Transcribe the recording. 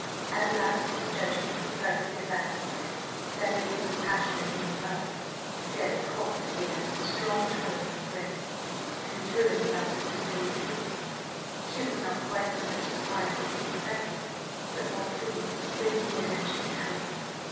At last this judgment was perfectly satisfied; that is, he was passionately in love fairly 'caught,' my dear, 'in the strong toils of grace,' and he threw himself at Cecilia's feet. She was not quite so much surprised as he expected, but more pleased than he had ventured to hope.